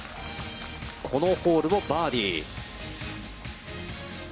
このホールもバーディー。